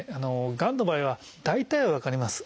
がんの場合は大体は分かります。